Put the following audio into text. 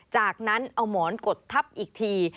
จากนั้นเอาหมอนกดทับอีกที